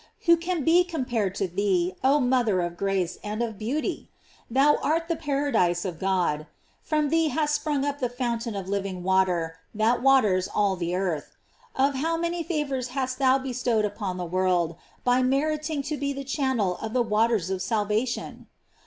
Who can be compared to thee, oh mother of grace and of beauty? Thou art the paradise of God. From thee hath sprung up the fountain of liv ing water, that waters all the earth. Oh, how many favors hast thou bestowed upon the world, by meriting to be the channel of the waters of salvation!